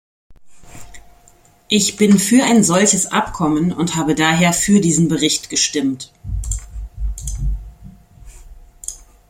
Ich bin für ein solches Abkommen und habe daher für diesen Bericht gestimmt.